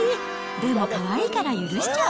でもかわいいから許しちゃう。